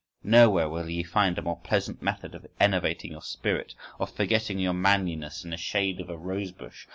Nowhere will ye find a more pleasant method of enervating your spirit, of forgetting your manliness in the shade of a rosebush.